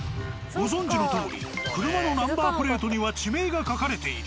ご存じのとおり車のナンバープレートには地名が書かれている。